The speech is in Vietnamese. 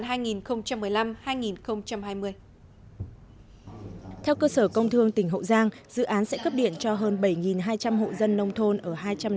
theo cơ sở công thương tỉnh hậu giang dự án sẽ cấp điện cho hơn bảy hai trăm linh hộ dân nông thôn ở hai trăm năm mươi